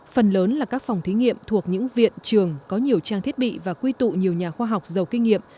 phần lớn là các phòng thí nghiệm thuộc những viện trường có nhiều trang thiết bị và quy tụ nhiều nhà khoa học giàu kinh nghiệm